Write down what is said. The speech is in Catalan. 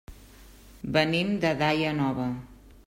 Venim de Daia Nova.